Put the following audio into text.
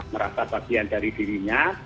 merasa bagian dari dirinya